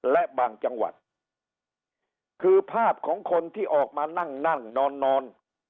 และบางจังหวัดคือภาพของคนที่ออกมานั่งนั่งนอนนอน